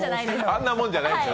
あんなもんじゃないです。